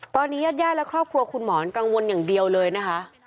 ตอนนี้ญาติญาติและครอบครัวคุณหมอนกังวลอย่างเดียวเลยนะคะ